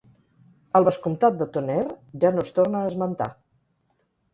El vescomtat de Tonnerre ja no es torna a esmentar.